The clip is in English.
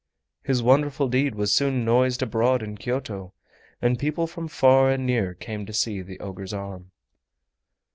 His wonderful deed was soon noised abroad in Kyoto, and people from far and near came to see the ogre's arm.